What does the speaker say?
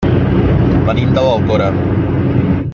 Venim de l'Alcora.